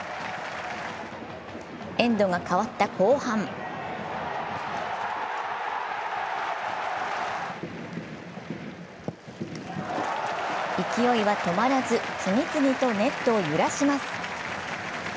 エンドが変わった後半勢いは止まらず、次々とネットを揺らします。